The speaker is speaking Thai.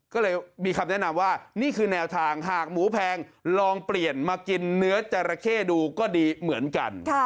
ก็เลยมีคำแนะนำว่านี่คือแนวทางหากหมูแพงลองเปลี่ยนมากินเนื้อจราเข้ดูก็ดีเหมือนกัน